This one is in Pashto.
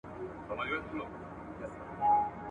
ځان وژنه څو ډولونه لري؟